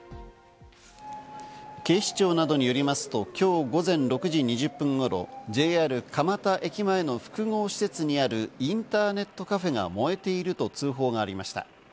警視庁などによりますと、今日午前６時２０分頃、ＪＲ蒲田駅前の複合施設にあるインターネットカフェが燃えていると通報がありました。